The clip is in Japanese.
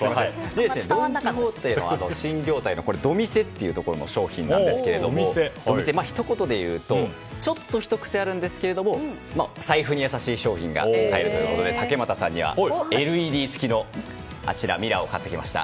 ドン・キホーテの新業態のドミセっていうところの商品ですけどひと言で言うとちょっとひと癖ありますがお財布に優しい商品が買えるということで竹俣さんには、ＬＥＤ付きのミラーを買ってきました。